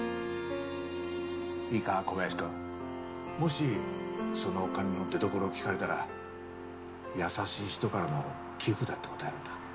いいか小林くん。もしそのお金の出どころを聞かれたら優しい人からの寄付だって答えるんだ。